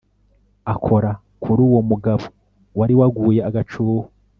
akora kuri uwo mugabo wari waguye agacuho